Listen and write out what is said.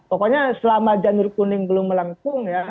pokoknya selama janur kuning belum melengkung ya